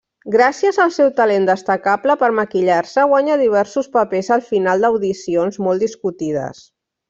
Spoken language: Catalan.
Gràcies al seu talent destacable per maquillar-se guanya diversos papers al final d'audicions molt discutides.